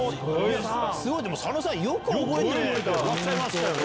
でも佐野さんよく覚えてらっしゃいましたよね。